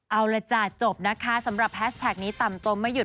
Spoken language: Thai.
เอาละจ้ะจบนะคะสำหรับแฮชแท็กนี้ต่ำตมไม่หยุ